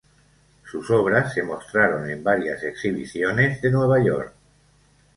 Sus obras se mostraron en varias exhibiciones de Nueva York.